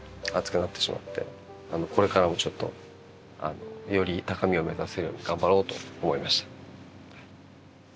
これからもちょっとより高みを目指せるように頑張ろうと思いました。